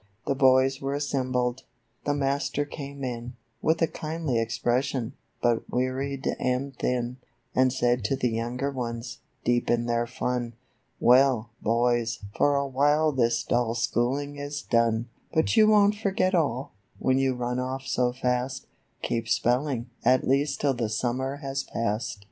The hoys were assembled ; the master came in, With a kindly expression, hut wearied and thin, And said to the younger ones, deep in their fun, "Well, hoys, for a while this dull schooling is done ; But you won't forget all, when you run off so fast ; Keep spelling, at least till the summer has passed."